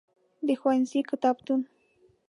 د ښوونځی کتابتون.